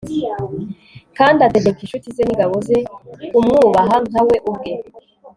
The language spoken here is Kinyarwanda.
kandi ategeka incuti ze n'ingabo ze kumwubaha nka we ubwe